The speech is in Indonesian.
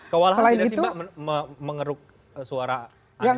kewalahan tidak sih mbak mengeruk suara aniesa yudhoy